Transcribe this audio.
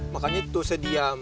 makanya itu saya diam